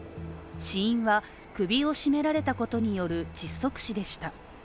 死因は、首を絞められたことによる窒息死でした。